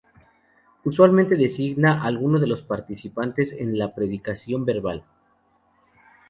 Usualmente designa alguno de los participantes en la predicación verbal.